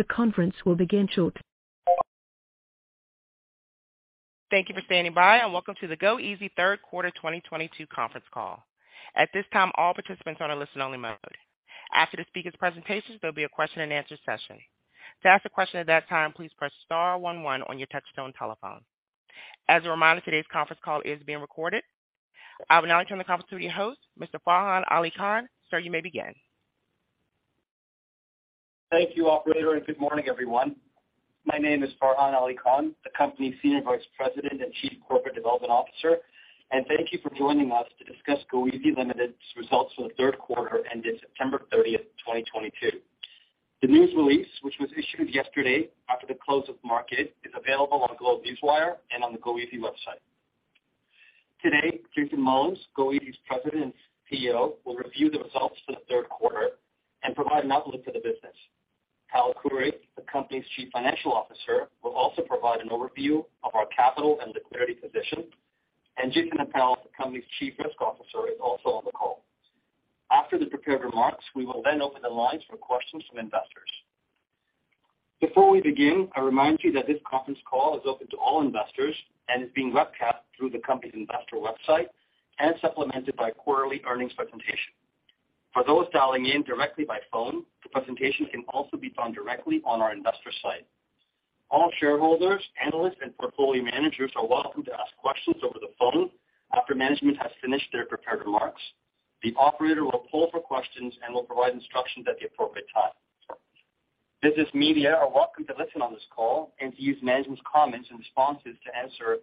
The conference will begin shortly. Thank you for standing by, and welcome to the goeasy third quarter 2022 conference call. At this time, all participants are in a listen only mode. After the speaker's presentations, there'll be a question and answer session. To ask a question at that time, please press star one one on your touchtone telephone. As a reminder, today's conference call is being recorded. I will now turn the conference to your host, Mr. Farhan Ali Khan. Sir, you may begin. Thank you, operator, and good morning, everyone. My name is Farhan Ali Khan, the company's Senior Vice President and Chief Corporate Development Officer. Thank you for joining us to discuss goeasy Ltd.'s results for the third quarter ended September 30, 2022. The news release, which was issued yesterday after the close of market, is available on GlobeNewswire and on the goeasy website. Today, Jason Mullins, goeasy's President and CEO, will review the results for the third quarter and provide an outlook for the business. Hal Khouri, the company's Chief Financial Officer, will also provide an overview of our capital and liquidity position. Jason Appel, the company's Chief Risk Officer, is also on the call. After the prepared remarks, we will then open the lines for questions from investors. Before we begin, I remind you that this conference call is open to all investors and is being webcast through the company's investor website and supplemented by quarterly earnings presentation. For those dialing in directly by phone, the presentation can also be found directly on our investor site. All shareholders, analysts, and portfolio managers are welcome to ask questions over the phone after management has finished their prepared remarks. The operator will poll for questions and will provide instructions at the appropriate time. Business media are welcome to listen on this call and to use management's comments and responses to answer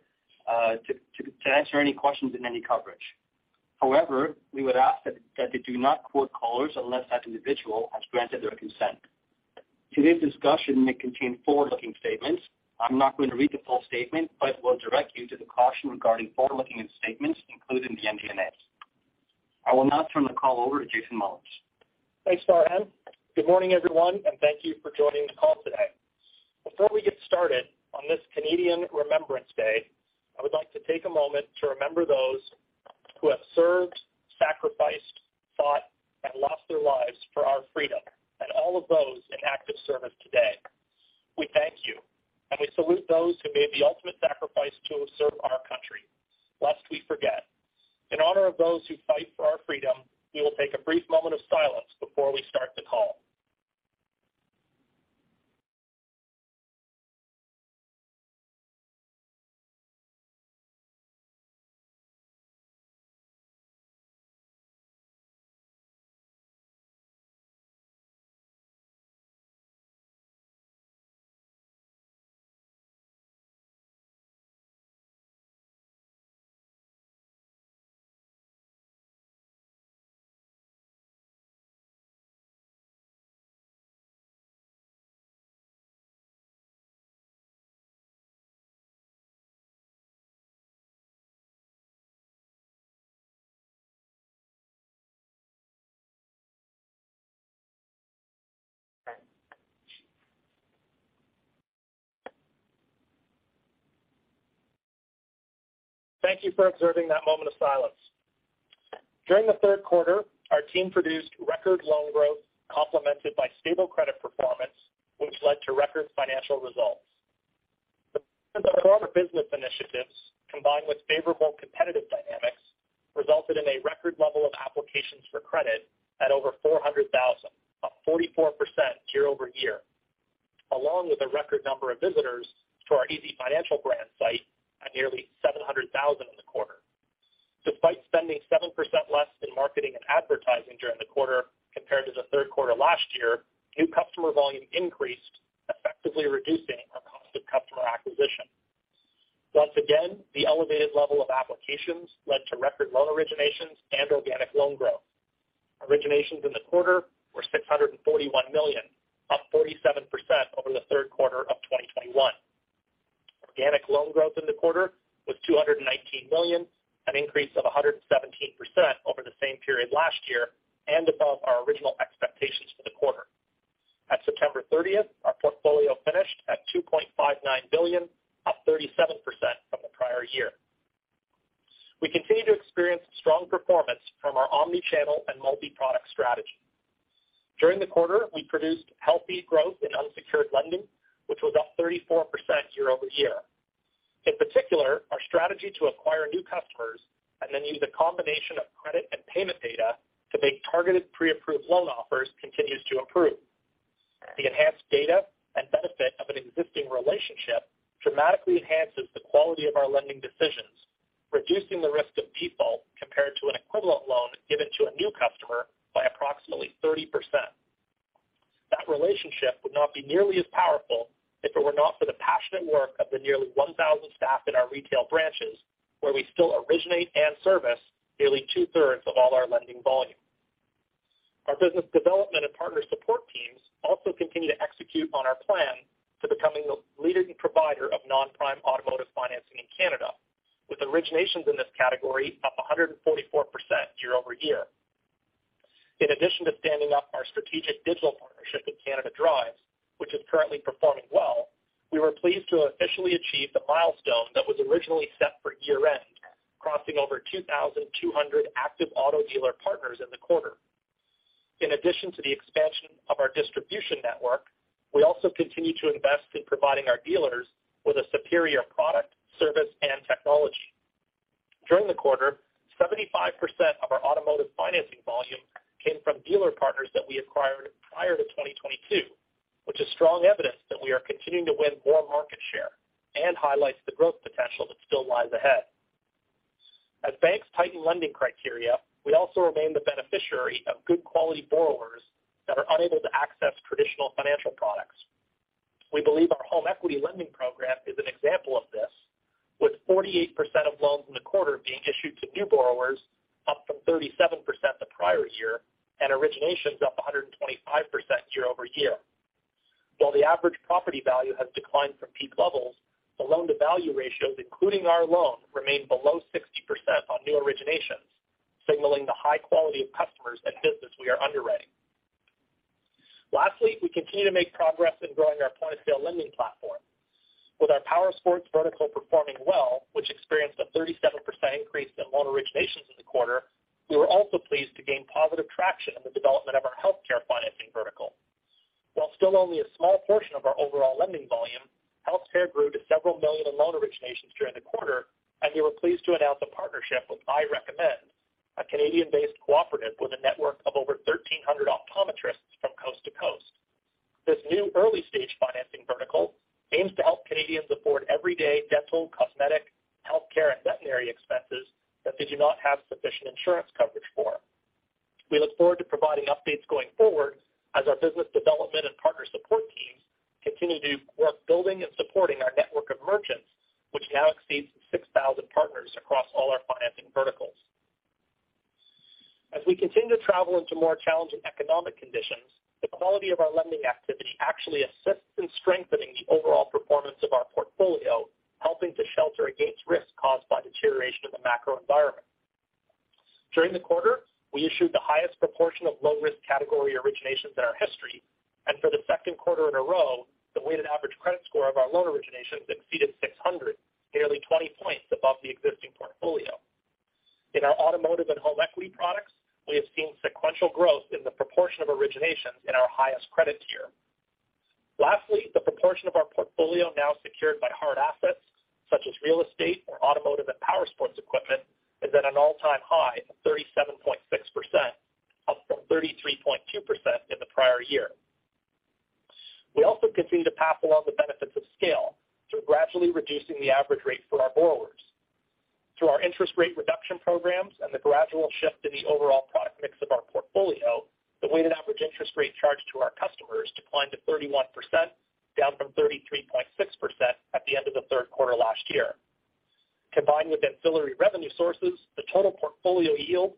any questions in any coverage. However, we would ask that they do not quote callers unless that individual has granted their consent. Today's discussion may contain forward-looking statements. I'm not going to read the full statement, but will direct you to the caution regarding forward-looking statements included in the MD&As. I will now turn the call over to Jason Mullins. Thanks, Farhan. Good morning, everyone, and thank you for joining the call today. Before we get started on this Canadian Remembrance Day, I would like to take a moment to remember those who have served, sacrificed, fought, and lost their lives for our freedom and all of those in active service today. We thank you, and we salute those who made the ultimate sacrifice to serve our country, lest we forget. In honor of those who fight for our freedom, we will take a brief moment of silence before we start the call. Thank you for observing that moment of silence. During the third quarter, our team produced record loan growth complemented by stable credit performance, which led to record financial results. The quarter business initiatives, combined with favorable competitive dynamics, resulted in a record level of applications for credit at over 400,000, up 44% year-over-year, along with a record number of visitors to our easyfinancial brand site at nearly 700,000 in the quarter. Despite spending 7% less in marketing and advertising during the quarter compared to the third quarter last year, new customer volume increased, effectively reducing our cost of customer acquisition. Once again, the elevated level of applications led to record loan originations and organic loan growth. Originations in the quarter were 641 million, up 47% over the third quarter of 2021. Organic loan growth in the quarter was 219 million, an increase of 117% over the same period last year and above our original expectations for the quarter. At September 30th, our portfolio finished at 2.59 billion, up 37% from the prior year. We continue to experience strong performance from our omni-channel and multi-product strategy. During the quarter, we produced healthy growth in unsecured lending, which was up 34% year-over-year. In particular, our strategy to acquire new customers and then use a combination of credit and payment data to make targeted pre-approved loan offers continues to improve. The enhanced data and benefit of an existing relationship dramatically enhances the quality of our lending decisions, reducing the risk of default compared to an equivalent loan given to a new customer by approximately 30%. That relationship would not be nearly as powerful if it were not for the passionate work of the nearly 1,000 staff in our retail branches, where we still originate and service nearly 2/3 of all our lending volume. Our business development and partner support teams also continue to execute on our plan to becoming the leading provider of non-prime automotive financing in Canada, with originations in this category up 144% year-over-year. In addition to standing up our strategic digital partnership with Canada Drives, which is currently performing well, we were pleased to officially achieve the milestone that was originally set for year-end. Crossing over 2,200 active auto dealer partners in the quarter. In addition to the expansion of our distribution network, we also continue to invest in providing our dealers with a superior product, service, and technology. During the quarter, 75% of our automotive financing volume came from dealer partners that we acquired prior to 2022, which is strong evidence that we are continuing to win more market share and highlights the growth potential that still lies ahead. As banks tighten lending criteria, we also remain the beneficiary of good quality borrowers that are unable to access traditional financial products. We believe our home equity lending program is an example of this, with 48% of loans in the quarter being issued to new borrowers, up from 37% the prior year, and originations up 125% year-over-year. declined to 31%, down from 33.6% at the end of the third quarter last year. Combined with ancillary revenue sources, the total portfolio yield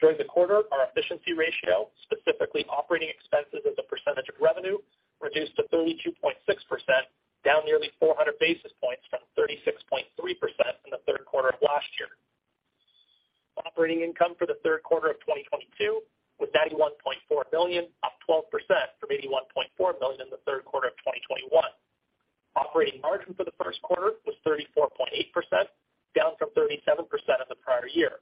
During the quarter, our efficiency ratio, specifically operating expenses as a percentage of revenue, reduced to 32.6%, down nearly 400 basis points from 36.3% in the third quarter of last year. Operating income for the third quarter of 2022 was 91.4 million, up 12% from 81.4 million in the third quarter of 2021. Operating margin for the first quarter was 34.8%, down from 37% in the prior year.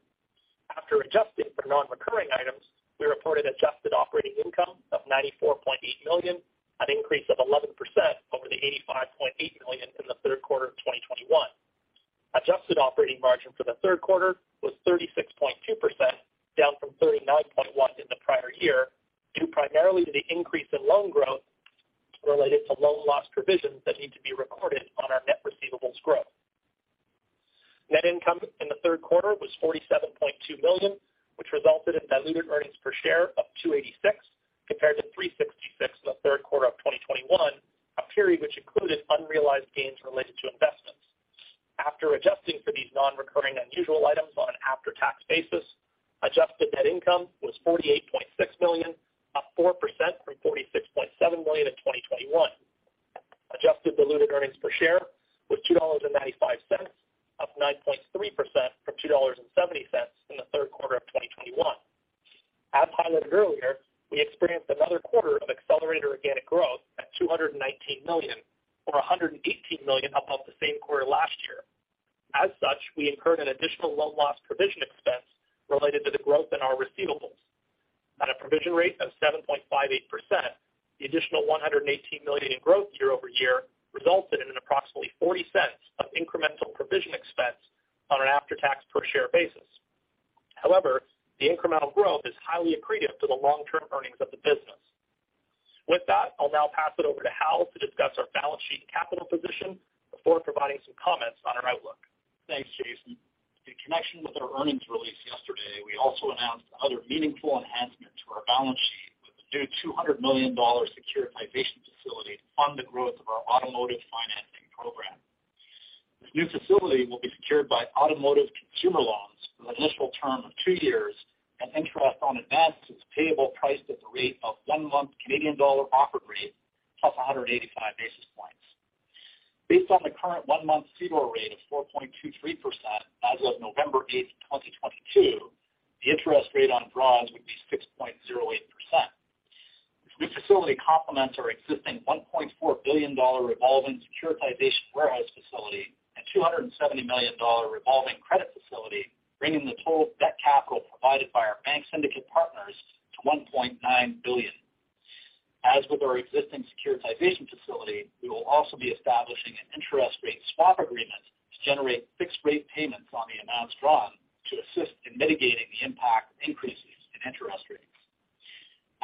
After adjusting for non-recurring items, we reported adjusted operating income of 94.8 million, an increase of 11% over the 85.8 million in the third quarter of 2021. Adjusted operating margin for the third quarter was 36.2%, down from 39.1% in the prior year, due primarily to the increase in loan growth related to loan loss provisions that need to be recorded on our net receivables growth.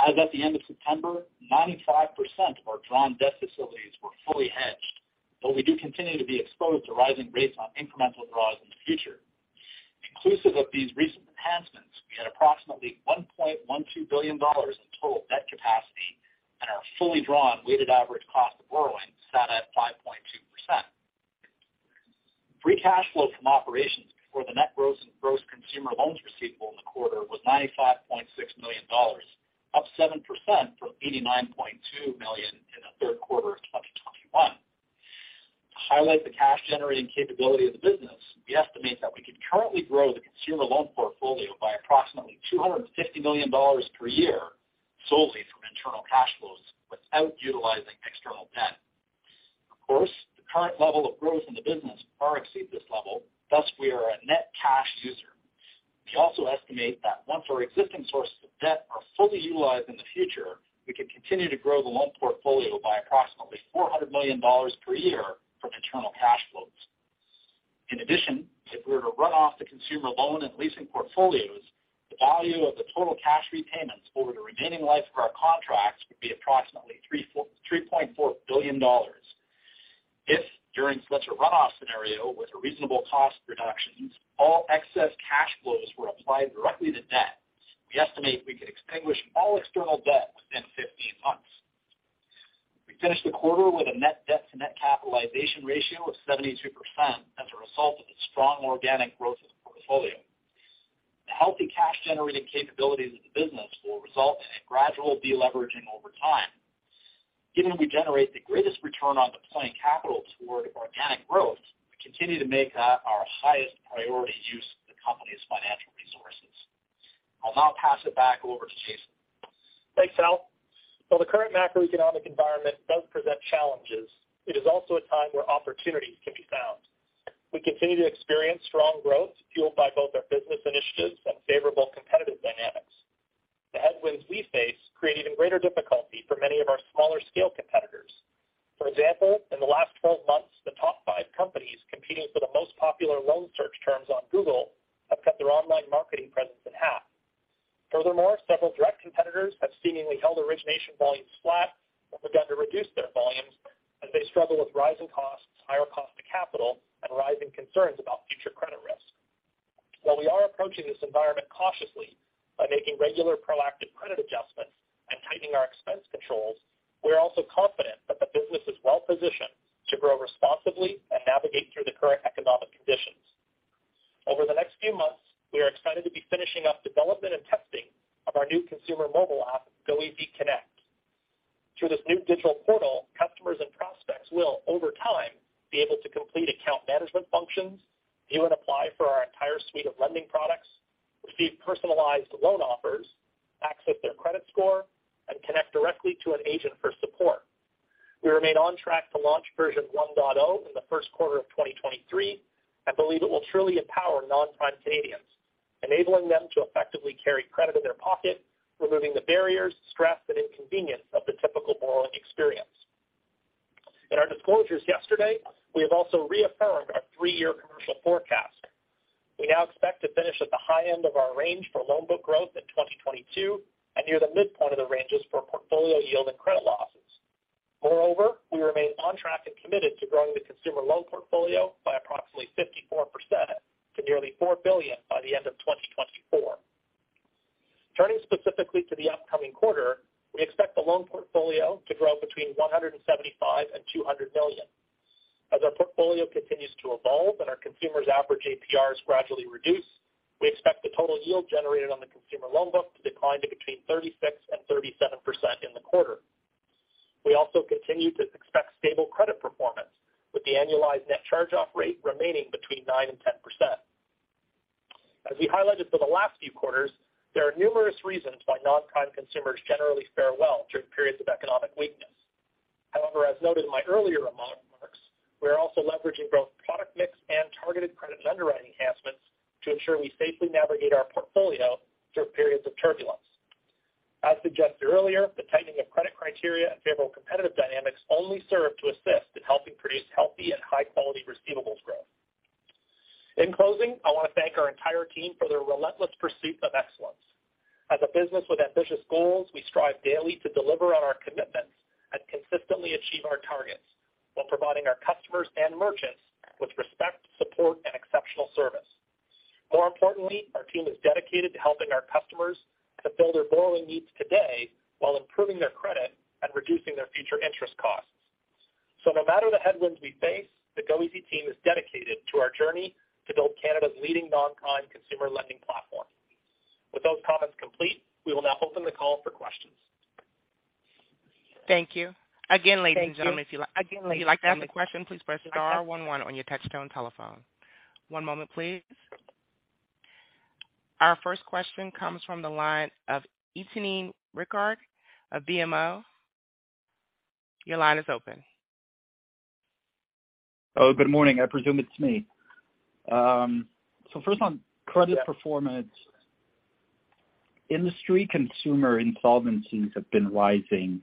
As at the end of September, 95% of our drawn debt facilities were fully hedged, though we do continue to be exposed to rising rates on incremental draws in the future. Inclusive of these recent enhancements, we had approximately 1.12 billion dollars in total debt capacity and our fully drawn weighted average cost of borrowing sat at 5.2%. Free cash flow from operations before the net change in gross consumer loans receivable in the quarter was 95.6 million dollars, up 7% from 89.2 million in the third quarter of 2021. To highlight the cash-generating capability of the business, we estimate that we can currently grow the consumer loan portfolio by approximately 250 million dollars per year solely from internal cash flows without utilizing external debt. Of course, the current level of growth in the business far exceeds this level, thus we are a net cash user. We also estimate that once our existing sources of debt are fully utilized in the future, we can continue to grow the loan portfolio by approximately 400 million dollars per year from internal cash flows. In addition, if we were to run off the consumer loan and leasing portfolios, the value of the total cash repayments over the remaining life of our contracts would be approximately 3.4 billion dollars. If during such a run-off scenario with reasonable cost reductions, all excess cash flows were applied directly to debt, we estimate we could extinguish all external debt within 15 months. We finished the quarter with a net debt to net capitalization ratio of 72% as a result of the strong organic growth of the portfolio. The healthy cash-generating capabilities of the business will result in a gradual de-leveraging over time. Given we generate the greatest return on deploying capital toward organic growth, we continue to make that our highest priority use of the company's financial resources. I'll now pass it back over to Jason. Thanks, Hal. While the current macroeconomic environment does present challenges, it is also a time where opportunities can be found. We continue to experience strong growth fueled by both our business initiatives and favorable competitive dynamics. The headwinds we face create even greater difficulty for many of our smaller scale competitors. For example, in the last 12 months, the top 5 companies competing for the most popular loan search terms on Google have cut their online marketing presence in half. Furthermore, several direct competitors have seemingly held origination volumes flat or begun to reduce their volumes as they struggle with rising costs, higher cost of capital, and rising concerns about future credit risk. While we are approaching this environment cautiously by making regular proactive credit adjustments and tightening our expense controls, we are also confident that the business is well-positioned to grow responsibly and navigate through the current economic conditions. Over the next few months, we are excited to be finishing up development and testing of our new consumer mobile app, goeasy Connect. Through this new digital portal, customers and prospects will, over time, be able to complete account management functions, view and apply for our entire suite of lending products, receive personalized loan offers, access their credit score, and connect directly to an agent for support. We remain on track to launch version 1.0 in the first quarter of 2023 and believe it will truly empower non-prime Canadians, enabling them to effectively carry credit in their pocket, removing the barriers, stress, and inconvenience of the typical borrowing experience. In our disclosures yesterday, we have also reaffirmed our three-year commercial forecast. We now expect to finish at the high end of our range for loan book growth in 2022 and near the midpoint of the ranges for portfolio yield and credit losses. Moreover, we remain on track and committed to growing the consumer loan portfolio by approximately 54% to nearly 4 billion by the end of 2024. Turning specifically to the upcoming quarter, we expect the loan portfolio to grow between 175 million and 200 million. As our portfolio continues to evolve and our consumers' average APRs gradually reduce, we expect the total yield generated on the consumer loan book to decline to between 36% and 37% in the quarter. We also continue to expect stable credit performance with the annualized net charge-off rate remaining between 9% and 10%. As we highlighted for the last few quarters, there are numerous reasons why non-prime consumers generally fare well during periods of economic weakness. However, as noted in my earlier remarks, we are also leveraging both product mix and targeted credit and underwriting enhancements to ensure we safely navigate our portfolio through periods of turbulence. As suggested earlier, the tightening of credit criteria and favorable competitive dynamics only serve to assist in helping produce healthy and high-quality receivables growth. In closing, I want to thank our entire team for their relentless pursuit of excellence. As a business with ambitious goals, we strive daily to deliver on our commitments and consistently achieve our targets while providing our customers and merchants with respect, support, and exceptional service. More importantly, our team is dedicated to helping our customers to fill their borrowing needs today while improving their credit and reducing their future interest costs. No matter the headwinds we face, the goeasy team is dedicated to our journey to build Canada's leading non-prime consumer lending platform. With those comments complete, we will now open the call for questions. Thank you. Again, ladies and gentlemen, if you'd like to ask a question, please press star one one on your touchtone telephone. One moment, please. Our first question comes from the line of Etienne Ricard of BMO. Your line is open. Oh, good morning. I presume it's me. First on credit performance. Industry consumer insolvencies have been rising in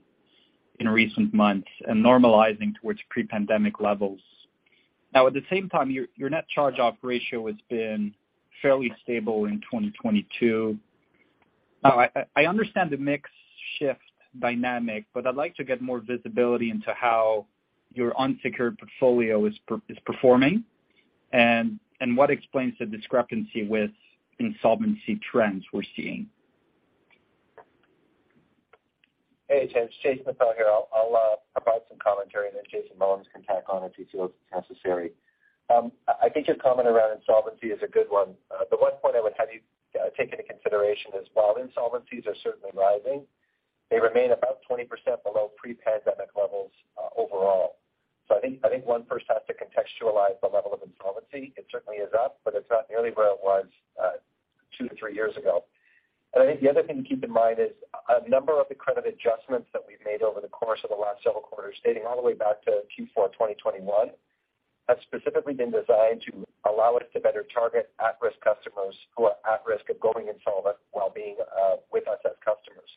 recent months and normalizing towards pre-pandemic levels. Now, at the same time, your net charge-off ratio has been fairly stable in 2022. Now, I understand the mix shift dynamic, but I'd like to get more visibility into how your unsecured portfolio is performing and what explains the discrepancy with insolvency trends we're seeing. Hey, it's Jason Appel here. I'll provide some commentary, and then Jason Mullins can tack on if he feels it's necessary. I think your comment around insolvency is a good one. The one point I would have you take into consideration is while insolvencies are certainly rising, they remain about 20% below pre-pandemic levels, overall. I think one first has to contextualize the level of insolvency. It certainly is up, but it's not nearly where it was, 2-3 years ago. I think the other thing to keep in mind is a number of the credit adjustments that we've made over the course of the last several quarters, dating all the way back to Q4 2021, have specifically been designed to allow us to better target at-risk customers who are at risk of going insolvent while being with us as customers.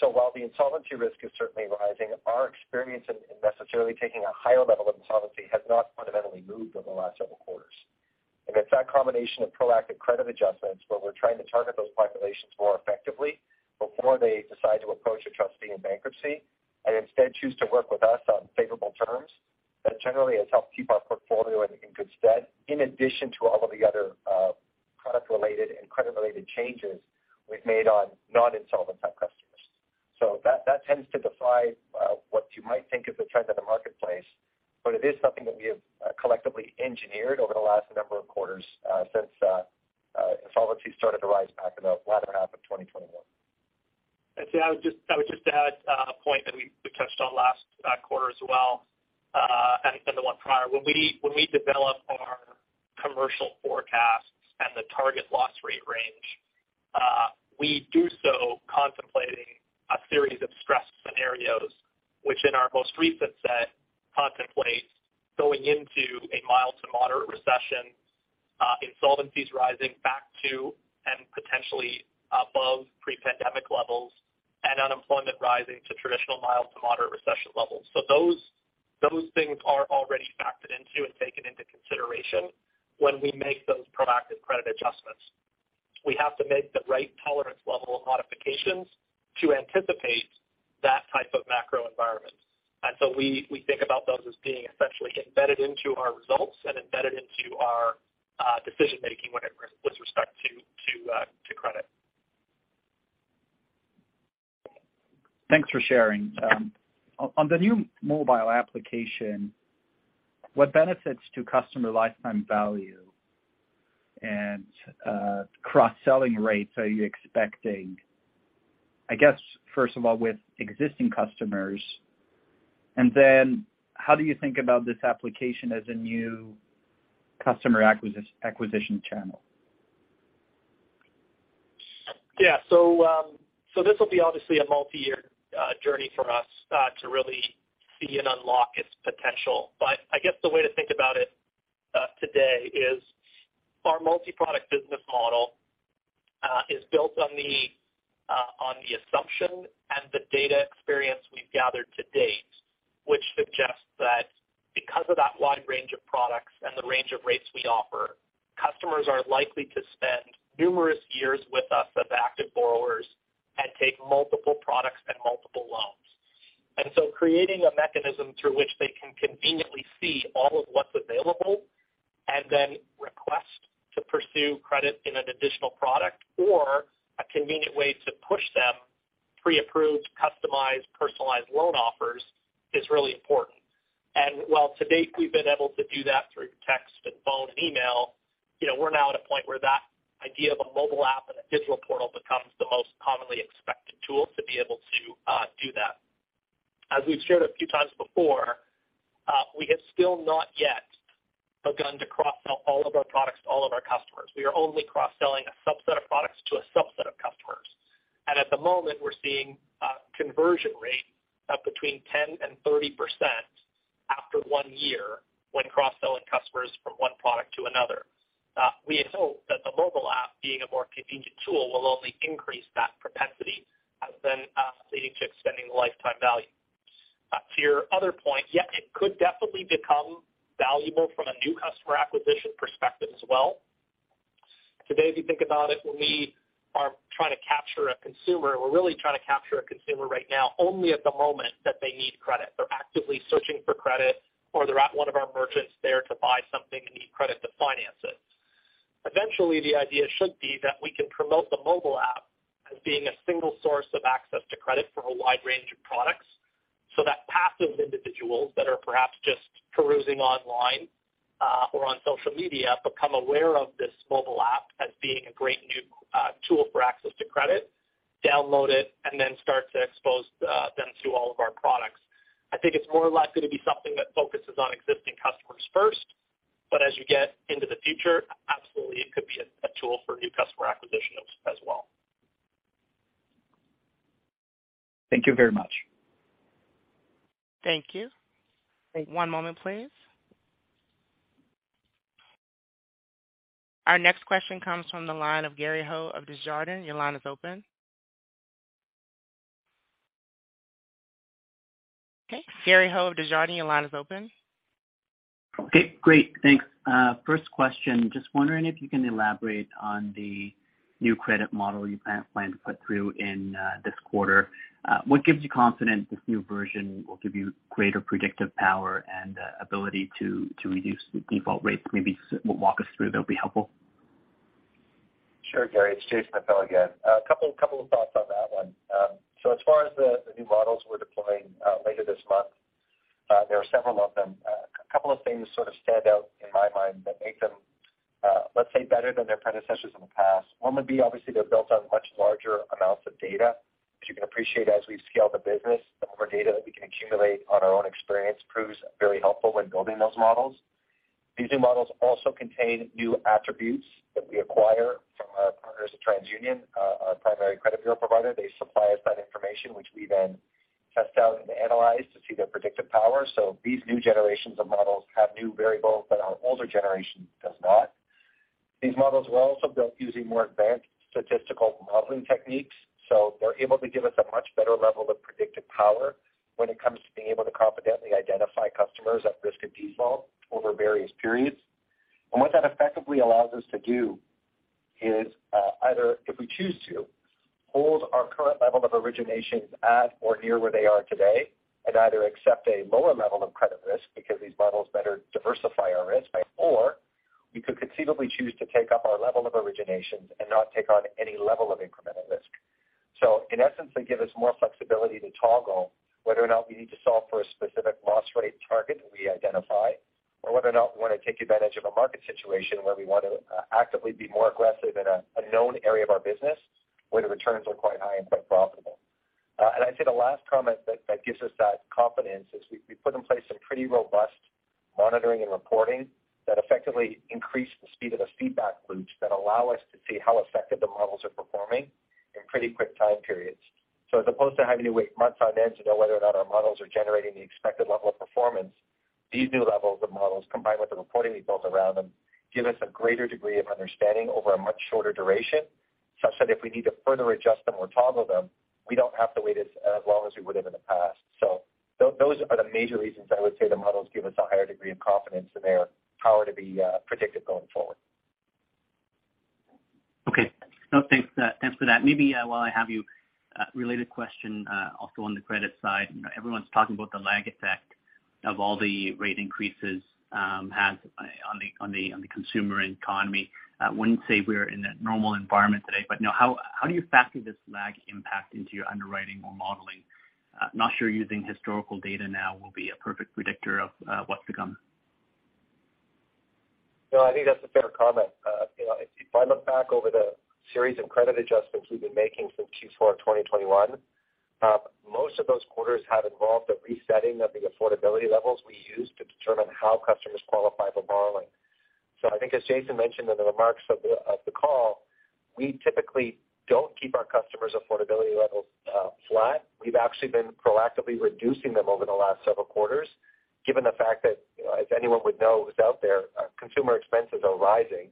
While the insolvency risk is certainly rising, our experience in necessarily taking a higher level of insolvency has not fundamentally moved over the last several quarters. It's that combination of proactive credit adjustments where we're trying to target those populations more effectively before they decide to approach a trustee in bankruptcy and instead choose to work with us on favorable terms. That generally has helped keep our portfolio in good stead, in addition to all of the other product-related and credit-related changes we've made on non-insolvent type customers. That tends to defy what you might think is the trend of the marketplace. It is something that we have collectively engineered over the last number of quarters since insolvencies started to rise back in the latter half of 2021. I'd say I would just add a point that we touched on last quarter as well and the one prior. When we develop our commercial forecasts and the target loss rate range, we do so contemplating a series of stress scenarios, which in our most recent set contemplates going into a mild to moderate recession, insolvencies rising back to and potentially above pre-pandemic levels, and unemployment rising to traditional mild to moderate recession levels. Those things are already factored into and taken into consideration when we make those proactive credit adjustments. We have to make the right tolerance level of modifications to anticipate that type of macro environment. We think about those as being essentially embedded into our results and embedded into our decision-making with respect to credit. Thanks for sharing. On the new mobile application, what benefits to customer lifetime value and cross-selling rates are you expecting, I guess, first of all, with existing customers? Then how do you think about this application as a new customer acquisition channel? Yeah. This will be obviously a multi-year journey for us to really see and unlock its potential. I guess the way to think about it today is our multi-product business model is built on the assumption and the data experience we've gathered to date, which suggests that because of that wide range of products and the range of rates we offer, customers are likely to spend numerous years with us as active borrowers and take multiple products and multiple loans. Creating a mechanism through which they can conveniently see all of what's available and then request to pursue credit in an additional product or a convenient way to push them pre-approved, customized, personalized loan offers is really important. While to date, we've been able to do that through text and phone and email, you know, we're now at a point where that idea of a mobile app and a digital portal becomes the most commonly expected tool to be able to do that. As we've shared a few times before, we have still not yet begun to cross-sell all of our products to all of our customers. We are only cross-selling a subset of products to a subset of customers. At the moment, we're seeing a conversion rate of between 10% and 30% after one year when cross-selling customers from one product to another. We had hoped that the mobile app, being a more convenient tool, will only increase that propensity as then leading to extending the lifetime value. To your other point, yes, it could definitely become valuable from a new customer acquisition perspective as well. Today, if you think about it, when we are trying to capture a consumer, we're really trying to capture a consumer right now only at the moment that they need credit. They're actively searching for credit, or they're at one of our merchants there to buy something and need credit to finance it. Eventually, the idea should be that we can promote the mobile app as being a single source of access to credit for a wide range of products so that passive individuals that are perhaps just perusing online, or on social media become aware of this mobile app as being a great new tool for access to credit, download it, and then start to expose them to all of our products. I think it's more likely to be something that focuses on existing customers first, but as you get into the future, absolutely, it could be a tool for new customer acquisition as well. Thank you very much. Thank you. One moment, please. Our next question comes from the line of Gary Ho of Desjardins. Your line is open. Okay, Gary Ho of Desjardins, your line is open. Okay, great. Thanks. First question, just wondering if you can elaborate on the new credit model you plan to put through in this quarter. What gives you confidence this new version will give you greater predictive power and ability to reduce the default rates? Maybe walk us through. That'll be helpful. Sure, Gary, it's Jason Appel again. A couple of thoughts on that one. As far as the new models we're deploying later this month, there are several of them. A couple of things sort of stand out in my mind that make them, let's say, better than their predecessors in the past. One would be, obviously, they're built on much larger amounts of data, which you can appreciate as we scale the business. The more data that we can accumulate on our own experience proves very helpful when building those models. These new models also contain new attributes that we acquire from our partners at TransUnion, our primary credit bureau provider. They supply us that information which we then test out and analyze to see their predictive power. These new generations of models have new variables that our older generation does not. These models were also built using more advanced statistical modeling techniques, so they're able to give us a much better level of predictive power when it comes to being able to confidently identify customers at risk of default over various periods. What that effectively allows us to do is, either, if we choose to, hold our current level of originations at or near where they are today and either accept a lower level of credit risk because these models better diversify our risk, or we could conceivably choose to take up our level of originations and not take on any level of incremental risk. In essence, they give us more flexibility to toggle whether or not we need to solve for a specific loss rate target we identify or whether or not we wanna take advantage of a market situation where we want to actively be more aggressive in a known area of our business where the returns are quite high and quite profitable. I'd say the last comment that gives us that confidence is we put in place some pretty robust monitoring and reporting that effectively increase the speed of the feedback loops that allow us to see how effective the models are performing in pretty quick time periods. As opposed to having to wait months on end to know whether or not our models are generating the expected level of performance, these new levels of models, combined with the reporting we built around them, give us a greater degree of understanding over a much shorter duration, such that if we need to further adjust them or toggle them, we don't have to wait as long as we would have in the past. Those are the major reasons I would say the models give us a higher degree of confidence in their power to be predicted going forward. Okay. No, thanks. Thanks for that. Maybe, while I have you, related question, also on the credit side. You know, everyone's talking about the lag effect of all the rate increases has on the consumer economy. Wouldn't say we're in a normal environment today, but, you know, how do you factor this lag impact into your underwriting or modeling? Not sure using historical data now will be a perfect predictor of what's to come. No, I think that's a fair comment. You know, if I look back over the series of credit adjustments we've been making since Q4 of 2021, most of those quarters have involved a resetting of the affordability levels we use to determine how customers qualify for borrowing. I think as Jason mentioned in the remarks of the call, we typically don't keep our customers' affordability levels flat. We've actually been proactively reducing them over the last several quarters, given the fact that, as anyone would know who's out there, consumer expenses are rising,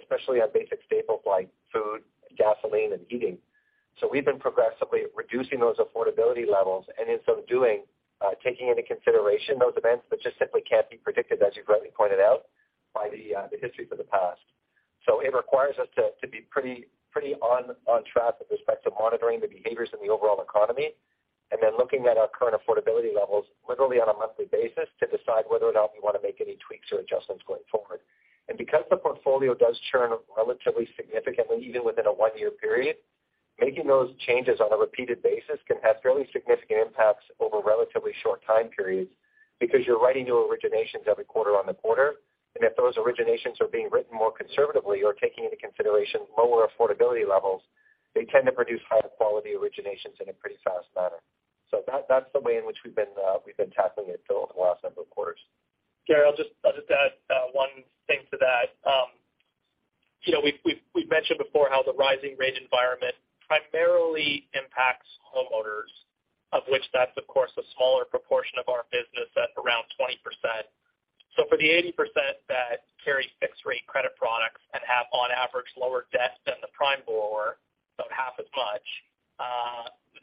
especially on basic staples like food, gasoline, and heating. We've been progressively reducing those affordability levels and in so doing, taking into consideration those events that just simply can't be predicted, as you correctly pointed out, by the history for the past. It requires us to be pretty on track with respect to monitoring the behaviors in the overall economy and then looking at our current affordability levels literally on a monthly basis to decide whether or not we wanna make any tweaks or adjustments going forward. Because the portfolio does churn relatively significantly even within a one-year period, making those changes on a repeated basis can have fairly significant impacts over relatively short time periods because you're writing new originations every quarter on the quarter. If those originations are being written more conservatively or taking into consideration lower affordability levels, they tend to produce higher quality originations in a pretty fast manner. That's the way in which we've been tackling it till the last number of quarters. Gary, I'll just add one thing to that. You know, we've mentioned before how the rising rate environment primarily impacts homeowners, of which that's of course a smaller proportion of our business at around 20%. For the 80% that carry fixed rate credit products and have on average lower debt than the prime borrower, about half as much,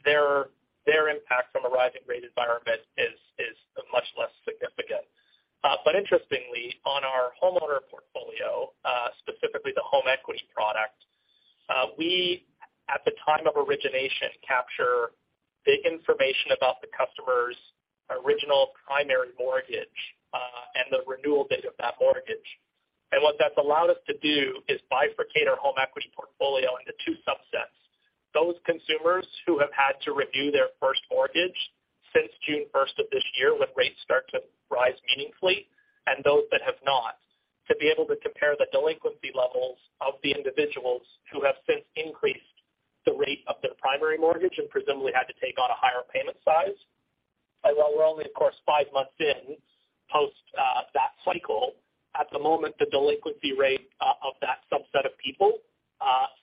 their impact from a rising rate environment is much less significant. Interestingly, on our homeowner portfolio, specifically the home equity product, we, at the time of origination, capture the information about the customer's original primary mortgage, and the renewal date of that mortgage. What that's allowed us to do is bifurcate our home equity portfolio into two subsets. Those consumers who have had to renew their first mortgage since June first of this year when rates start to rise meaningfully, and those that have not, to be able to compare the delinquency levels of the individuals who have since increased the rate of their primary mortgage and presumably had to take on a higher payment size. While we're only of course five months in post that cycle, at the moment the delinquency rate of that subset of people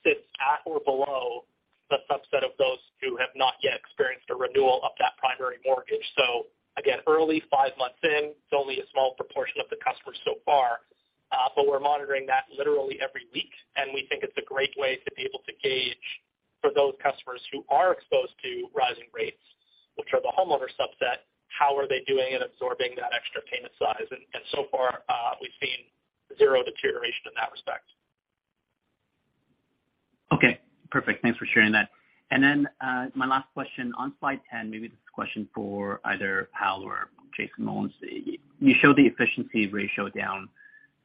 sits at or below the subset of those who have not yet experienced a renewal of that primary mortgage. Again, early five months in, it's only a small proportion of the customers so far, but we're monitoring that literally every week. We think it's a great way to be able to gauge for those customers who are exposed to rising rates, which are the homeowner subset, how are they doing in absorbing that extra payment size. So far, we've seen zero deterioration in that respect. Okay. Perfect. Thanks for sharing that. Then, my last question on slide 10, maybe this is a question for either Hal or Jason Mullins. You show the efficiency ratio down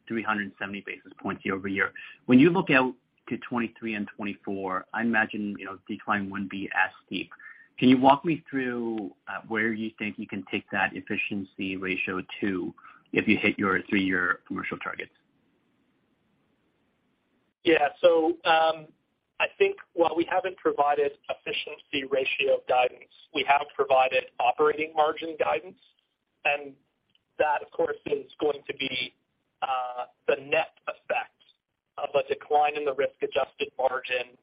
370 basis points year-over-year. When you look out to 2023 and 2024, I imagine, you know, decline wouldn't be as steep. Can you walk me through where you think you can take that efficiency ratio to if you hit your three-year commercial targets? Yeah. I think while we haven't provided efficiency ratio guidance, we have provided operating margin guidance. That, of course, is going to be the net effect of a decline in the risk-adjusted margin,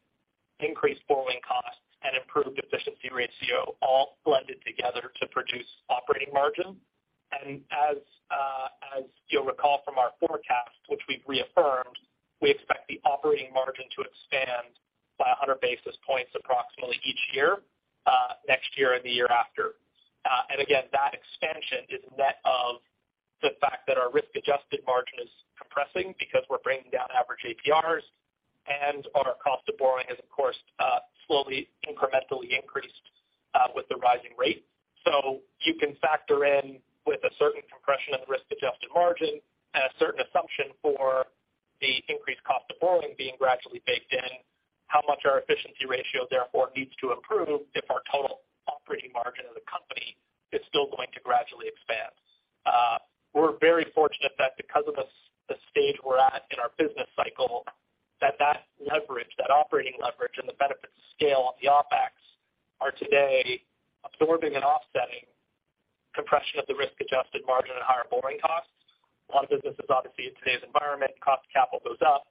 increased borrowing costs, and improved efficiency ratio all blended together to produce operating margin. As you'll recall from our forecast, which we've reaffirmed, we expect the operating margin to expand by 100 basis points approximately each year, next year and the year after. Again, that expansion is net of the fact that our risk-adjusted margin is compressing because we're bringing down average APRs and our cost of borrowing has, of course, slowly incrementally increased with the rising rate. You can factor in with a certain compression of the risk-adjusted margin and a certain assumption for the increased cost of borrowing being gradually baked in, how much our efficiency ratio therefore needs to improve if our total operating margin as a company is still going to gradually expand. We're very fortunate that because of the stage we're at in our business cycle, that leverage, that operating leverage and the benefits of scale on the OpEx are today absorbing and offsetting compression of the risk-adjusted margin and higher borrowing costs. A lot of businesses, obviously, in today's environment, cost of capital goes up.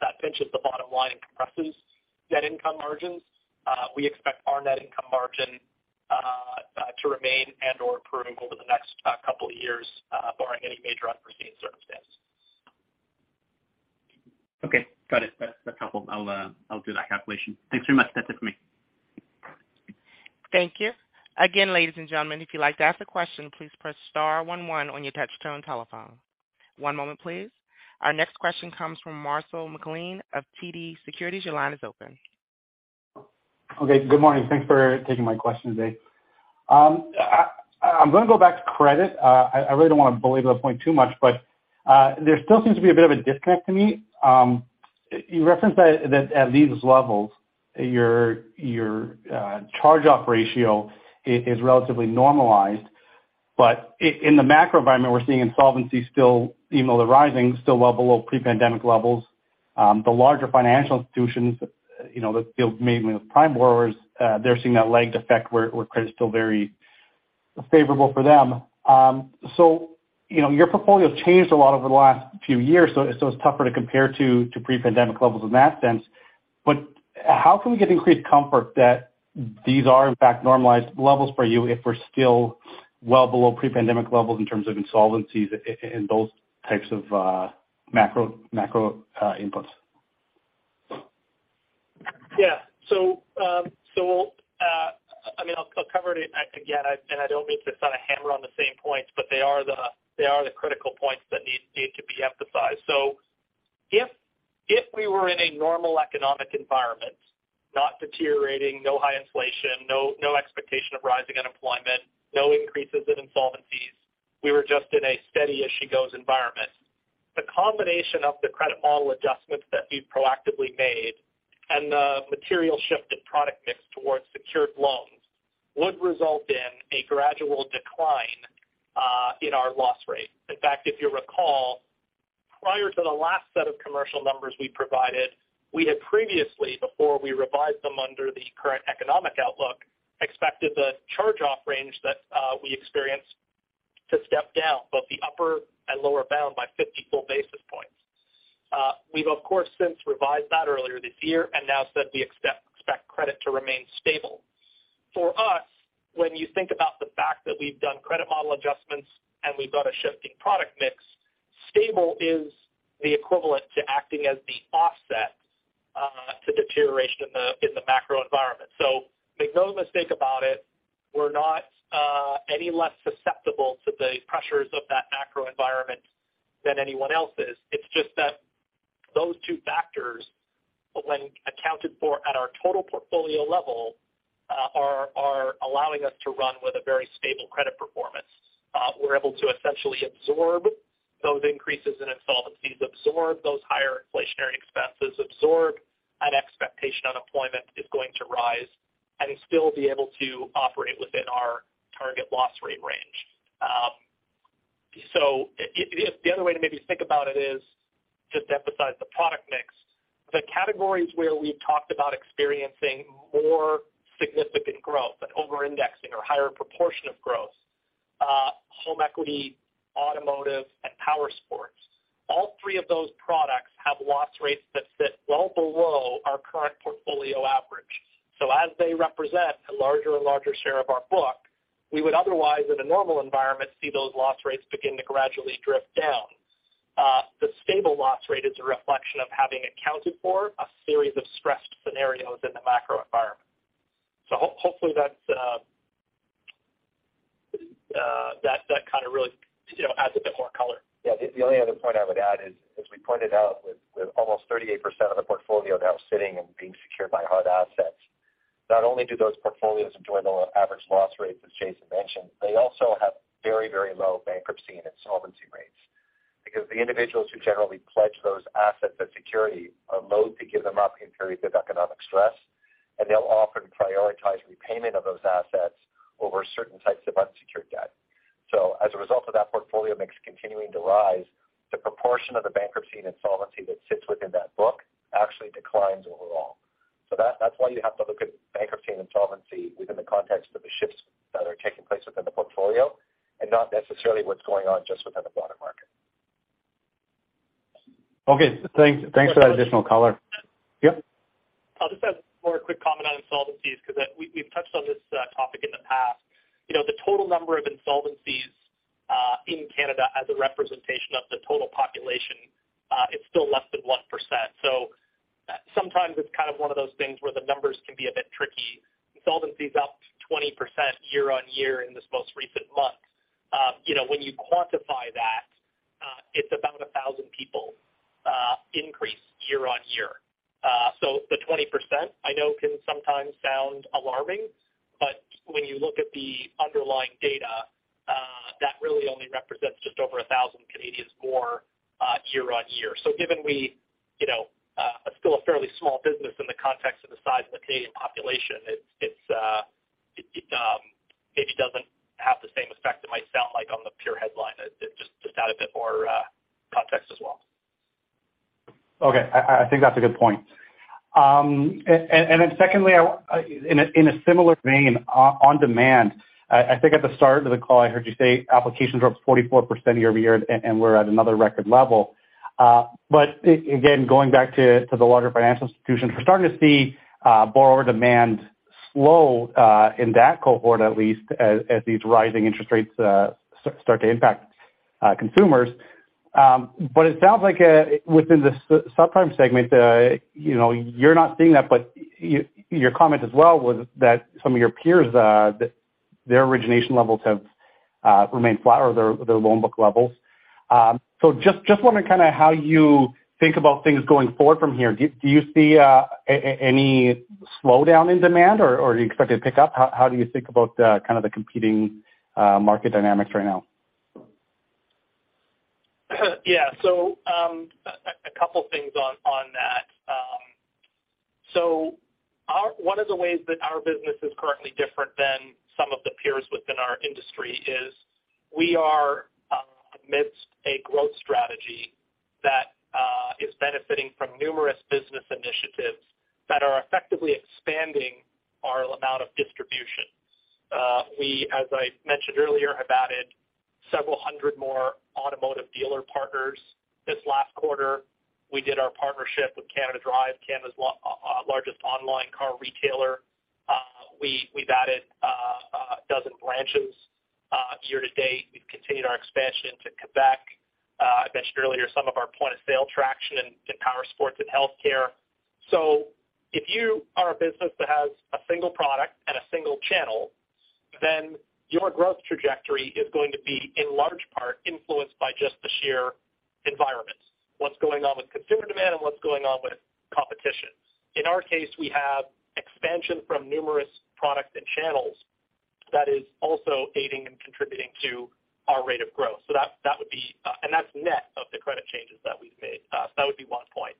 That pinches the bottom line and compresses net income margins. We expect our net income margin to remain and/or improve over the next couple of years, barring any major unforeseen circumstance. Okay. Got it. That's helpful. I'll do that calculation. Thanks very much. That's it for me. Thank you. Again, ladies and gentlemen, if you'd like to ask a question, please press star one one on your touch-tone telephone. One moment, please. Our next question comes from Marcel McLean of TD Cowen. Your line is open. Okay. Good morning. Thanks for taking my question today. I'm gonna go back to credit. I really don't wanna belabor the point too much, but there still seems to be a bit of a disconnect to me. You referenced that at these levels, your charge-off ratio is relatively normalized. In the macro environment, we're seeing insolvency still, even though they're rising, still well below pre-pandemic levels. The larger financial institutions, you know, that deal mainly with prime borrowers, they're seeing that lagged effect where credit's still very favorable for them. You know, your portfolio has changed a lot over the last few years, it's tougher to compare to pre-pandemic levels in that sense. How can we get increased comfort that these are in fact normalized levels for you if we're still well below pre-pandemic levels in terms of insolvencies in those types of macro inputs? Yeah. I mean, I'll cover it again, and I don't mean to kind of hammer on the same points, but they are the critical points that need to be emphasized. If we were in a normal economic environment, not deteriorating, no high inflation, no expectation of rising unemployment, no increases in insolvency, we were just in a steady as she goes environment. The combination of the credit model adjustments that we've proactively made and the material shift in product mix towards secured loans would result in a gradual decline in our loss rate. In fact, if you recall, prior to the last set of commercial numbers we provided, we had previously, before we revised them under the current economic outlook, expected the charge-off range that we experienced to step down both the upper and lower bound by 50 full basis points. We've of course since revised that earlier this year and now said we expect credit to remain stable. For us, when you think about the fact that we've done credit model adjustments and we've got a shifting product mix, stable is the equivalent to acting as the offset to deterioration in the macro environment. Make no mistake about it, we're not any less susceptible to the pressures of that macro environment than anyone else is. It's just that those two factors, when accounted for at our total portfolio level, are allowing us to run with a very stable credit performance. We're able to essentially absorb those increases in insolvencies, absorb those higher inflationary expenses, absorb an expectation that unemployment is going to rise and still be able to operate within our target loss rate range. If the other way to maybe think about it is just to emphasize the product mix. The categories where we've talked about experiencing more significant growth, but over-indexing or higher proportion of growth, home equity, automotive, and powersports. All three of those products have loss rates that sit well below our current portfolio average. As they represent a larger and larger share of our book, we would otherwise, in a normal environment, see those loss rates begin to gradually drift down. The stable loss rate is a reflection of having accounted for a series of stressed scenarios in the macro environment. Hopefully that's that kind of really, you know, adds a bit more color. Yeah. The only other point I would add is, as we pointed out, with almost 38% of the portfolio now sitting and being secured by hard assets, not only do those portfolios enjoy the low average loss rates, as Jason mentioned, they also have very, very low bankruptcy and insolvency rates. Because the individuals who generally pledge those assets as security are loathe to give them up in periods of economic stress, and they'll often prioritize repayment of those assets over certain types of unsecured debt. As a result of that portfolio mix continuing to rise, the proportion of the bankruptcy and insolvency that sits within that book actually declines overall. That's why you have to look at bankruptcy and insolvency within the context of the shifts that are taking place within the portfolio and not necessarily what's going on just within the broader market. Okay. Thanks, thanks for that additional color. Yep. I'll just add one more quick comment on insolvencies because we've touched on this topic in the past. You know, the total number of insolvencies in Canada as a representation of the total population is still less than 1%. Sometimes it's kind of one of those things where the numbers can be a bit tricky. Insolvency is up 20% year-over-year in this most recent month. You know, when you quantify that, it's about 1,000 people increase year-over-year. The 20% I know can sometimes sound alarming, but when you look at the underlying data, that really only represents just over 1,000 Canadians more year-over-year. Given we, you know, are still a fairly small business in the context of the size of the Canadian population, it maybe doesn't have the same effect it might sound like on the pure headline. Just to add a bit more context as well. Okay. I think that's a good point. In a similar vein, on demand, I think at the start of the call I heard you say applications are up 44% year-over-year and we're at another record level. Again, going back to the larger financial institutions, we're starting to see borrower demand slow in that cohort at least as these rising interest rates start to impact consumers. It sounds like within the subprime segment, you know, you're not seeing that, but your comment as well was that some of your peers that their origination levels have remained flat or their loan book levels. Just wondering kind of how you think about things going forward from here. Do you see any slowdown in demand or do you expect it to pick up? How do you think about kind of the competing market dynamics right now? Yeah. A couple things on that. One of the ways that our business is currently different than some of the peers within our industry is we are amidst a growth strategy benefiting from numerous business initiatives that are effectively expanding our amount of distribution. We, as I mentioned earlier, have added several hundred more automotive dealer partners. This last quarter, we did our partnership with Canada Drives, Canada's largest online car retailer. We have added 12 branches year-to-date. We have continued our expansion to Quebec. I mentioned earlier some of our point of sale traction in power sports and healthcare. If you are a business that has a single product and a single channel, then your growth trajectory is going to be in large part influenced by just the sheer environment. What's going on with consumer demand and what's going on with competition? In our case, we have expansion from numerous products and channels that is also aiding and contributing to our rate of growth. That would be. That's net of the credit changes that we've made. That would be one point.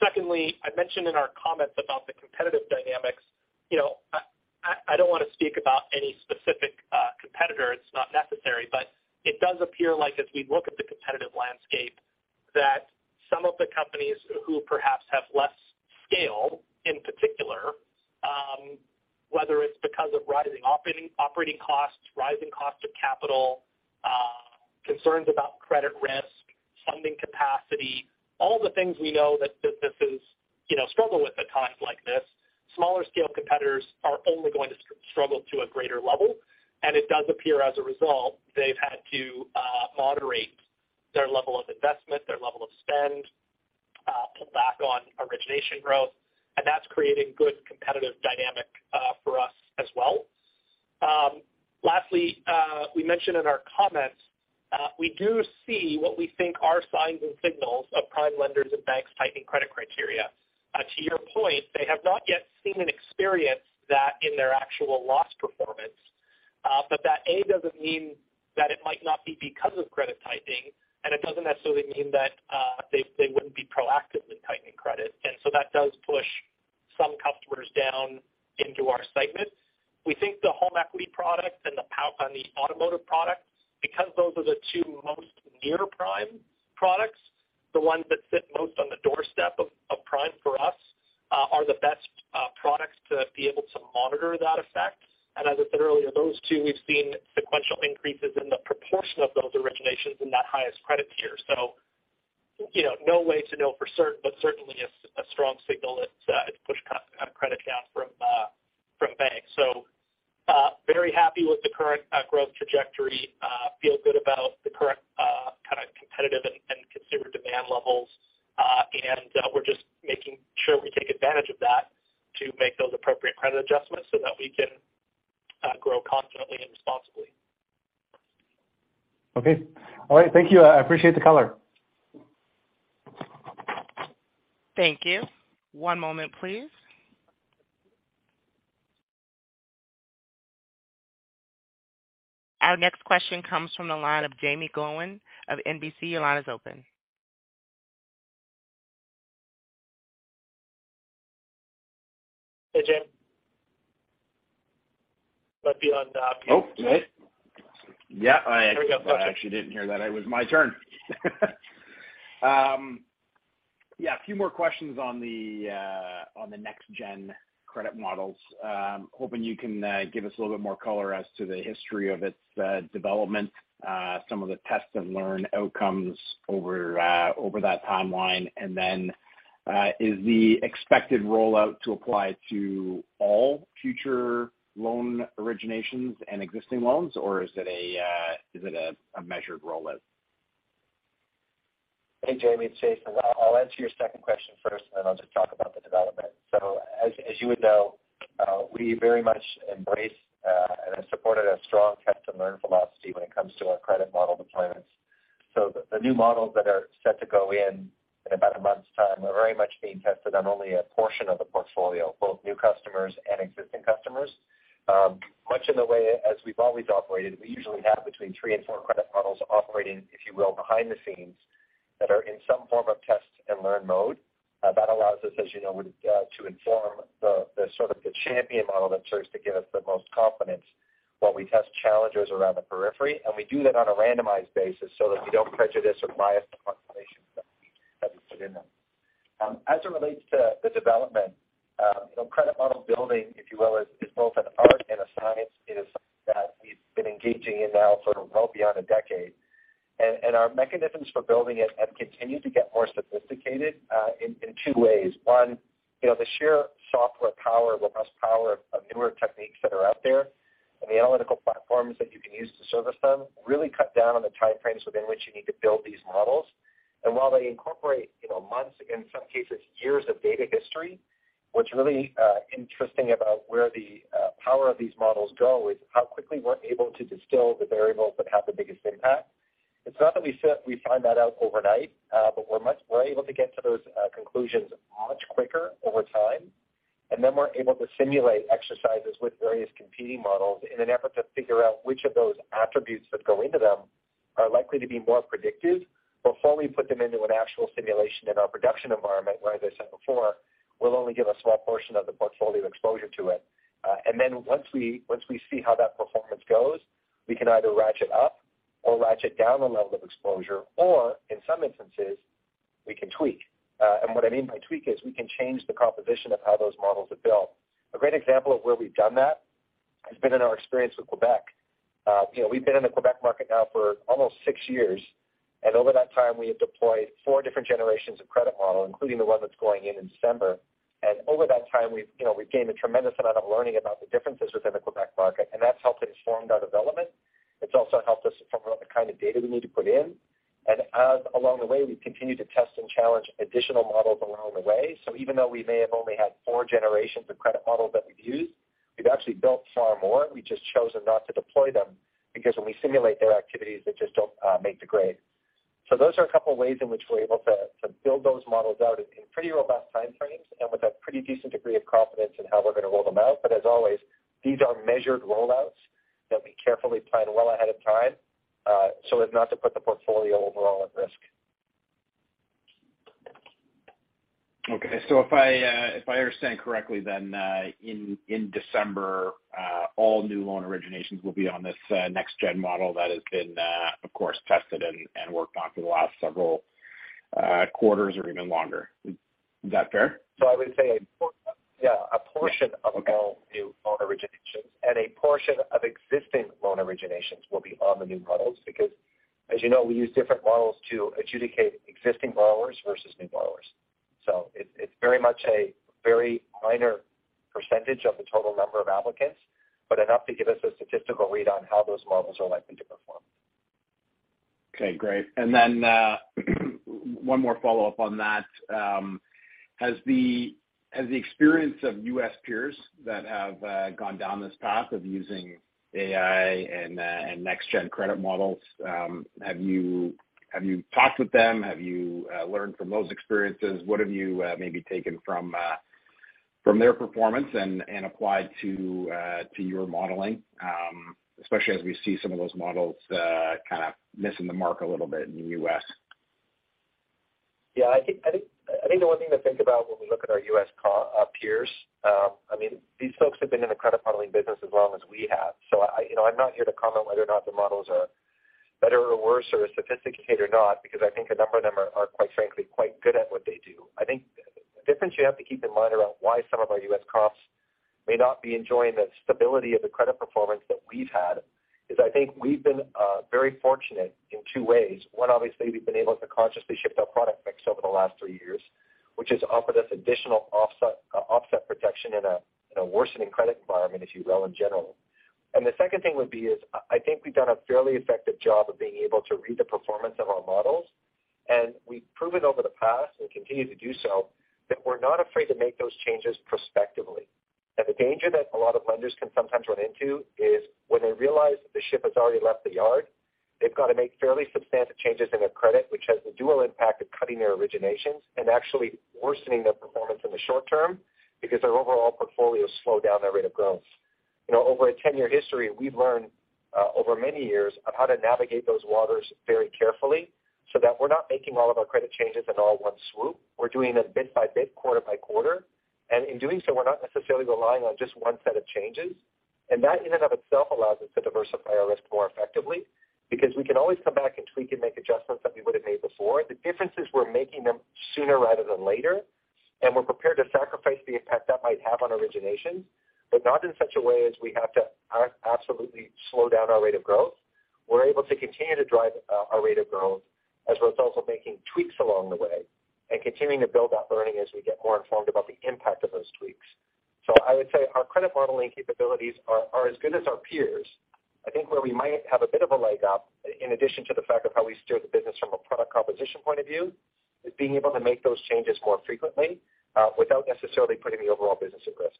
Secondly, I mentioned in our comments about the competitive dynamics. You know, I don't wanna speak about any specific competitor, it's not necessary, but it does appear like as we look at the competitive landscape, that some of the companies who perhaps have less scale in particular, whether it's because of rising operating costs, rising cost of capital, concerns about credit risk, funding capacity, all the things we know that businesses, you know, struggle with at times like this, smaller scale competitors are only going to struggle to a greater level. It does appear as a result, they've had to moderate their level of investment, their level of spend, pull back on origination growth, and that's creating good competitive dynamic for us as well. Lastly, we mentioned in our comments, we do see what we think are signs and signals of prime lenders and banks tightening credit criteria. To your point, they have not yet seen and experienced that in their actual loss performance. But that doesn't mean that it might not be because of credit tightening, and it doesn't necessarily mean that they wouldn't be proactively tightening credit. That does push some customers down into our segment. We think the home equity products and on the automotive products, because those are the two most near-prime products, the ones that sit most on the doorstep of prime for us, are the best products to be able to monitor that effect. As I said earlier, those two we've seen sequential increases in the proportion of those originations in that highest credit tier. You know, no way to know for certain, but certainly a strong signal it's pushed credit down from banks. Very happy with the current growth trajectory. Feel good about the current kind of competitive and consumer demand levels. We're just making sure we take advantage of that to make those appropriate credit adjustments so that we can grow confidently and responsibly. Okay. All right. Thank you. I appreciate the color. Thank you. One moment, please. Our next question comes from the line of Jaeme Gloyn of National Bank Financial. Your line is open. Hey, Jaeme. Might be on mute. Oh, hey. Yeah. There we go. Perfect. I actually didn't hear that it was my turn. Yeah, a few more questions on the next-gen credit models. Hoping you can give us a little bit more color as to the history of its development, some of the test and learn outcomes over that timeline. Is the expected rollout to apply to all future loan originations and existing loans, or is it a measured rollout? Hey, Jaeme, it's Jason. I'll answer your second question first, and then I'll just talk about the development. As you would know, we very much embrace and have supported a strong test and learn philosophy when it comes to our credit model deployments. The new models that are set to go in in about a month's time are very much being tested on only a portion of the portfolio, both new customers and existing customers. Much in the way as we've always operated, we usually have between three and four credit models operating, if you will, behind the scenes that are in some form of test and learn mode. That allows us, as you know, to inform the sort of the champion model that starts to give us the most confidence while we test challengers around the periphery. We do that on a randomized basis so that we don't prejudice or bias the populations that we put in them. As it relates to the development, you know, credit model building, if you will, is both an art and a science is something that we've been engaging in now sort of well beyond a decade. Our mechanisms for building it have continued to get more sophisticated in two ways. One, you know, the sheer software power, the muscle power of newer techniques that are out there and the analytical platforms that you can use to service them really cut down on the timeframes within which you need to build these models. While they incorporate, you know, months, in some cases, years of data history, what's really interesting about where the power of these models go is how quickly we're able to distill the variables that have the biggest impact. It's not that we find that out overnight, but we're able to get to those conclusions much quicker over time. Then we're able to simulate exercises with various competing models in an effort to figure out which of those attributes that go into them are likely to be more predictive before we put them into an actual simulation in our production environment, where, as I said before, we'll only give a small portion of the portfolio exposure to it. Once we see how that performance goes. We can either ratchet up or ratchet down the level of exposure, or in some instances, we can tweak. What I mean by tweak is we can change the composition of how those models are built. A great example of where we've done that has been in our experience with Quebec. You know, we've been in the Quebec market now for almost six years, and over that time, we have deployed four different generations of credit model, including the one that's going in in December. Over that time, we've, you know, we've gained a tremendous amount of learning about the differences within the Quebec market, and that's helped us form our development. It's also helped us to form the kind of data we need to put in. All along the way, we continue to test and challenge additional models along the way. Even though we may have only had four generations of credit models that we've used, we've actually built far more. We've just chosen not to deploy them because when we simulate their activities, they just don't make the grade. Those are a couple of ways in which we're able to build those models out in pretty robust time frames and with a pretty decent degree of confidence in how we're gonna roll them out. As always, these are measured rollouts that we carefully plan well ahead of time, so as not to put the portfolio overall at risk. Okay. If I understand correctly, then in December all new loan originations will be on this next gen model that has been, of course tested and worked on for the last several quarters or even longer. Is that fair? I would say, yeah, a portion of all new loan originations and a portion of existing loan originations will be on the new models because as you know, we use different models to adjudicate existing borrowers versus new borrowers. It's very much a very minor percentage of the total number of applicants, but enough to give us a statistical read on how those models are likely to perform. Okay, great. One more follow-up on that. Has the experience of U.S. peers that have gone down this path of using AI and next gen credit models, have you talked with them? Have you learned from those experiences? What have you maybe taken from their performance and applied to your modeling? Especially as we see some of those models kinda missing the mark a little bit in the U.S. Yeah, I think the one thing to think about when we look at our US peers. I mean, these folks have been in the credit modeling business as long as we have. I, you know, I'm not here to comment whether or not the models are better or worse or are sophisticated or not, because I think a number of them are quite frankly quite good at what they do. I think the difference you have to keep in mind around why some of our US comps may not be enjoying the stability of the credit performance that we've had is I think we've been very fortunate in two ways. One, obviously, we've been able to consciously shift our product mix over the last three years, which has offered us additional offset protection in a worsening credit environment, if you will, in general. The second thing would be is I think we've done a fairly effective job of being able to read the performance of our models, and we've proven over the past and continue to do so, that we're not afraid to make those changes prospectively. Now, the danger that a lot of lenders can sometimes run into is when they realize the ship has already left the yard, they've got to make fairly substantial changes in their credit, which has the dual impact of cutting their originations and actually worsening their performance in the short term because their overall portfolios slow down their rate of growth. You know, over a 10-year history, we've learned over many years on how to navigate those waters very carefully so that we're not making all of our credit changes in one swoop. We're doing it bit by bit, quarter by quarter. In doing so, we're not necessarily relying on just one set of changes. That in and of itself allows us to diversify our risk more effectively, because we can always come back and tweak and make adjustments that we would have made before. The difference is we're making them sooner rather than later, and we're prepared to sacrifice the impact that might have on origination, but not in such a way as we have to absolutely slow down our rate of growth. We're able to continue to drive our rate of growth as we're also making tweaks along the way and continuing to build that learning as we get more informed about the impact of those tweaks. I would say our credit modeling capabilities are as good as our peers. I think where we might have a bit of a leg up, in addition to the fact of how we steer the business from a product composition point of view, is being able to make those changes more frequently without necessarily putting the overall business at risk.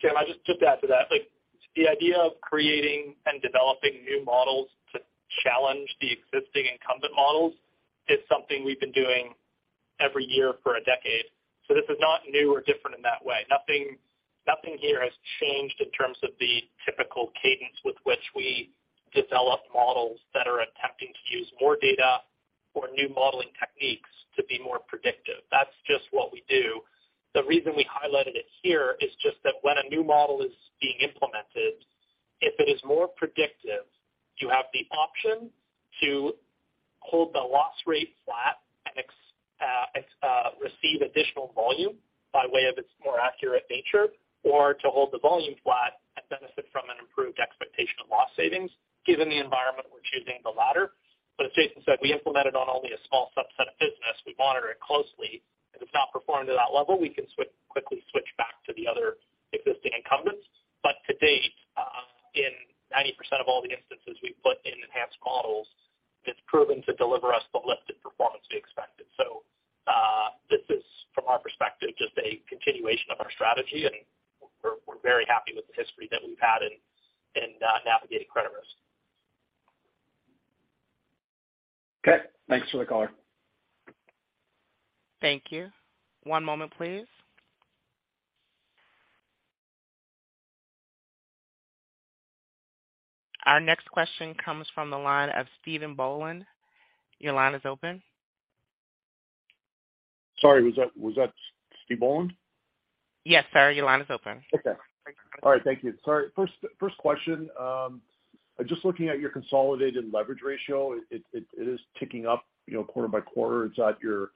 Jim, I'll just add to that. Like, the idea of creating and developing new models to challenge the existing incumbent models is something we've been doing every year for a decade. This is not new or different in that way. Nothing here has changed in terms of the typical cadence with which we develop models that are attempting to use more data or new modeling techniques to be more predictive. That's just what we do. The reason we highlighted it here is just that when a new model is being implemented, if it is more predictive, you have the option to hold the loss rate flat and receive additional volume by way of its more accurate nature or to hold the volume flat and benefit from an improved expectation of loss savings. Given the environment, we're choosing the latter. As Jason said, we implement it on only a small subset of business. We monitor it closely, and if it's not performing to that level, we can quickly switch back to the other existing incumbents. To date, in 90% of all the instances we've put in enhanced models, it's proven to deliver us the lifted performance we expected. This is from our perspective, just a continuation of our strategy, and we're very happy with the history that we've had in navigating credit risk. Okay. Thanks for the color. Thank you. One moment, please. Our next question comes from the line of Stephen Boland. Your line is open. Sorry, was that Stephen Boland? Yes, sir. Your line is open. Okay. All right, thank you. Sorry, first question. Just looking at your consolidated leverage ratio, it is ticking up, you know, quarter by quarter. It's at your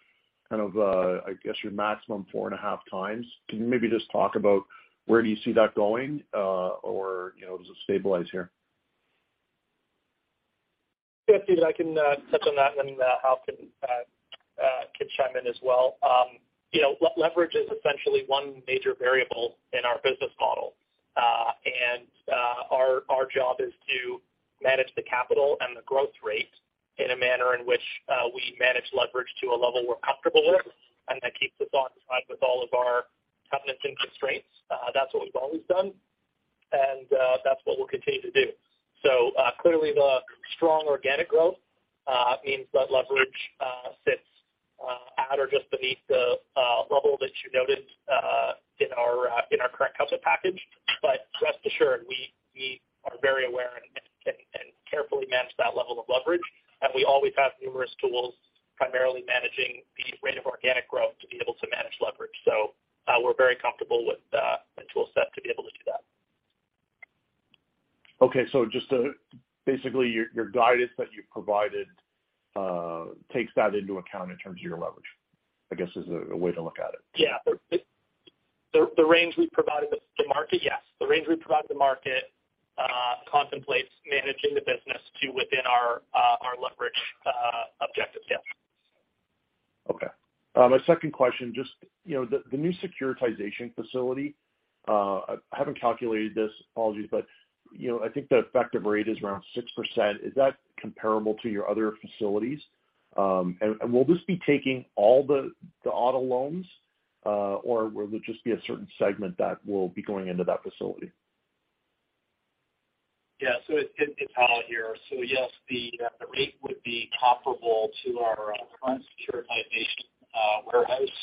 kind of, I guess, your maximum 4.5x. Can you maybe just talk about where do you see that going, or, you know, does it stabilize here? Yeah, Steve, I can touch on that and then Hal can chime in as well. You know, leverage is essentially one major variable in our business model. Our job is to manage the capital and the growth rate in a manner in which we manage leverage to a level we're comfortable with, and that keeps us on track with all of our covenants and constraints. That's what we've always done, and that's what we'll continue to do. Clearly the strong organic growth means that leverage sits at or just beneath the level that you noted in our current covenant package. Rest assured, we are very aware and carefully manage that level of leverage. We always have numerous tools, primarily managing the rate of organic growth, to be able to manage leverage. We're very comfortable with the tool set to be able to do that. Okay. Just to basically your guidance that you've provided takes that into account in terms of your leverage. I guess is a way to look at it. Yeah. The range we provided to the market, yes, contemplates managing the business to within our leverage objective, yeah. Okay. My second question, just the new securitization facility, I haven't calculated this, apologies, but I think the effective rate is around 6%. Is that comparable to your other facilities? Will this be taking all the auto loans, or will it just be a certain segment that will be going into that facility? Yeah. It's Hal here. Yes, the rate would be comparable to our current securitization warehouse.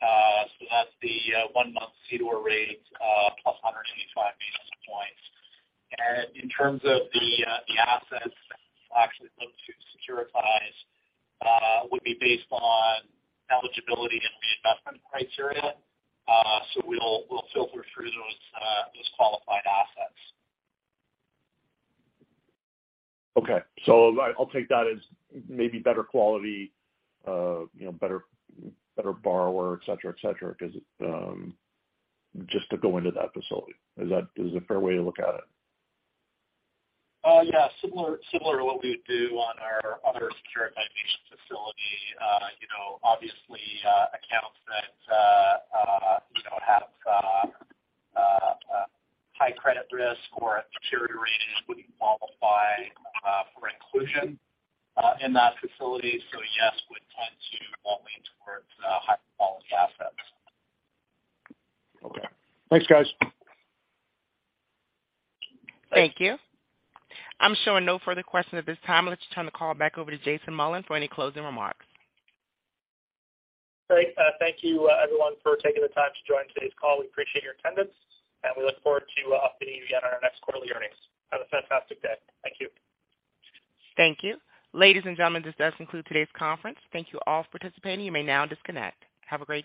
That's the one-month CDOR rate plus 185 basis points. In terms of the assets that we'll actually look to securitize, would be based on eligibility and reinvestment criteria. We'll filter through those qualified assets. Okay. I'll take that as maybe better quality, you know, better borrower, et cetera, et cetera, 'cause just to go into that facility. Is that a fair way to look at it? Yeah, similar to what we would do on our other securitization facility. You know, obviously, accounts that you know have a high credit risk or a deterioration wouldn't qualify for inclusion in that facility. Yes, we tend to want lean towards high-quality assets. Okay. Thanks, guys. Thank you. I'm showing no further questions at this time. I'd like to turn the call back over to Jason Mullins for any closing remarks. Great. Thank you, everyone for taking the time to join today's call. We appreciate your attendance, and we look forward to updating you again on our next quarterly earnings. Have a fantastic day. Thank you. Thank you. Ladies and gentlemen, this does conclude today's conference. Thank you all for participating. You may now disconnect. Have a great day.